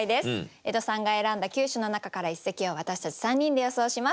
江戸さんが選んだ９首の中から一席を私たち３人で予想します。